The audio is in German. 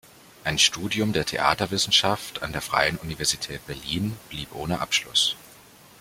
Ein Studium der Theaterwissenschaft an der Freien Universität Berlin blieb ohne Abschluss.